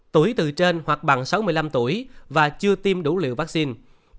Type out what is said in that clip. tuổi từ trên hoặc bằng sáu mươi năm tuổi và chưa tiêm đủ liều vaccine